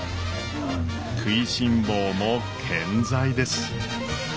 食いしん坊も健在です。